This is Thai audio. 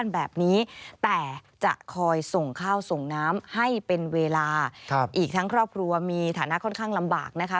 แบบนี้แต่จะคอยส่งข้าวส่งน้ำให้เป็นเวลาอีกทั้งครอบครัวมีฐานะค่อนข้างลำบากนะคะ